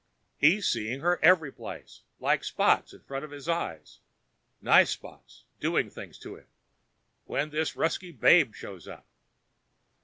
He's seeing her every place like spots in front of his eyes nice spots doing things to him, when this Ruskie babe shows up.